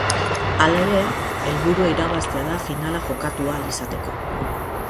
Halere, helburua irabaztea da finala jokatu ahal izateko.